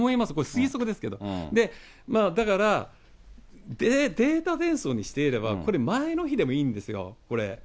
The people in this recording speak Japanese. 推測ですけど、だから、データベースにしていれば、これ前の日でもいいんですよ、これ。